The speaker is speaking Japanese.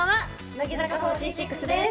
乃木坂４６です。